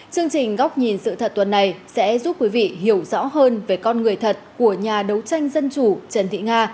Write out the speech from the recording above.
chương trình góc nhìn sự thật tuần này sẽ giúp quý vị hiểu rõ hơn về con người thật của nhà đấu tranh dân chủ trần thị nga